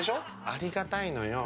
ありがたいのよ。